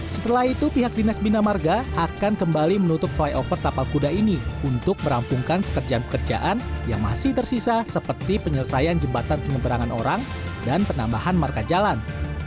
setelah itu pihak dinas bina marga akan kembali menutup flyover tapal kuda ini untuk merampungkan pekerjaan pekerjaan yang masih tersisa seperti penyelesaian jembatan penyeberangan orang dan penambahan marka jalan